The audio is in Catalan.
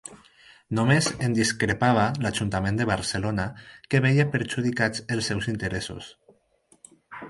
Només en discrepava l'Ajuntament de Barcelona que veia perjudicats els seus interessos.